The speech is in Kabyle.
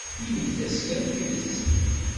Init-as kan tidet.